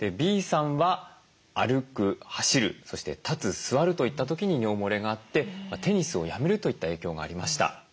Ｂさんは歩く走るそして立つ座るといった時に尿もれがあってテニスをやめるといった影響がありました。